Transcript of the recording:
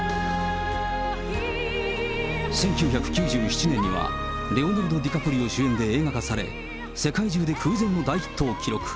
１９９７年にはレオナルド・ディカプリオ主演で映画化され、世界中で空前の大ヒットを記録。